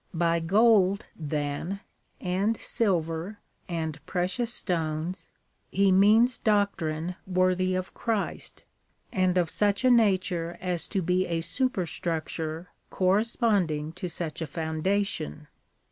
^ By gold, then, and silver, and precious stones, he means doctrine worthy of Christ, and of such a nature as to be a superstructure corresponding to such a foundation.